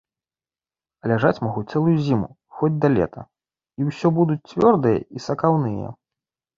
А ляжаць могуць цэлую зіму, хоць да лета, і ўсё будуць цвёрдыя і сакаўныя.